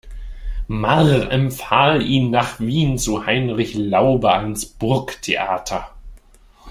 Marr empfahl ihn nach Wien zu Heinrich Laube ans Burgtheater.